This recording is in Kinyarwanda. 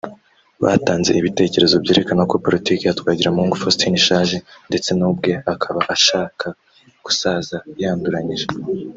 batanze ibitekerezo byerekana ko Politiki ya Twagiramungu Faustin ishaje ndetse nawe ubwe akaba ashaka gusaza yanduranyije